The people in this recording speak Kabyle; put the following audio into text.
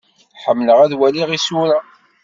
Ḥemmleɣ ad waliɣ isura.